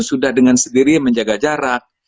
sudah dengan sendiri menjaga jarak